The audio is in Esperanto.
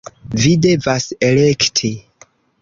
- Vi devas elekti!